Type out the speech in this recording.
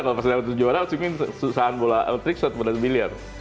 kalau pas saya jatuh juara pasti mungkin susahan bola trickshot boleh sembiliar